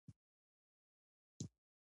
هغه د اخبار ایډیټور شو.